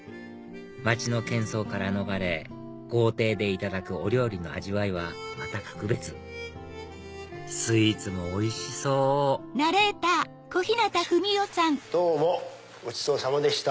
街の喧噪から逃れ豪邸でいただくお料理の味わいはまた格別スイーツもおいしそうよいしょどうもごちそうさまでした。